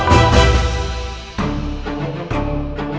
baru main taka